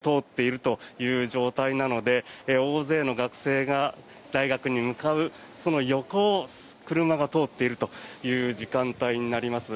通勤の車も今かなり通っているという状態なので大勢の学生が大学に向かうその横を車が通っているという時間帯になります。